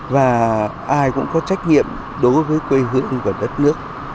và ai cũng có trách nhiệm đối với quê hương của đất nước